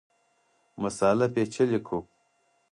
مسأله پېچلې کړو.